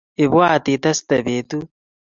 Ibwat iteste betut.